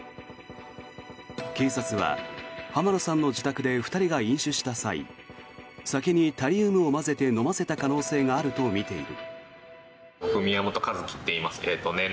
警察は、浜野さんの自宅で２人が飲酒した際酒にタリウムを混ぜて飲ませた可能性があるとみている。